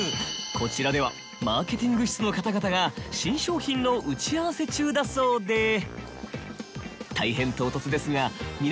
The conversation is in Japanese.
こちらではマーケティング室の方々が新商品の打ち合わせ中だそうで。